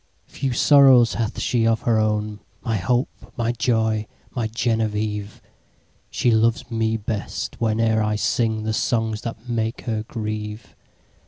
Few sorrows hath she of her own, My hope! my joy! my Genevieve! She loves me best, whene'er I singThe songs that make her grieve.